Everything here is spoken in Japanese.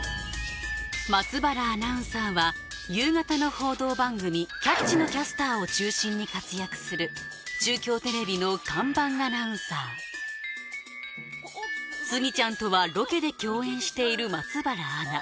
松原アナウンサーは夕方の報道番組「キャッチ！」のキャスターを中心に活躍する中京テレビの看板アナウンサースギちゃんとはロケで共演している松原アナ